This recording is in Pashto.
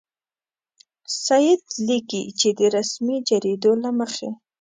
سید لیکي چې د رسمي جریدو له مخې.